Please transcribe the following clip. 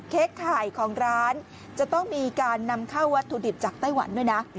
ไข่ของร้านจะต้องมีการนำเข้าวัตถุดิบจากไต้หวันด้วยนะ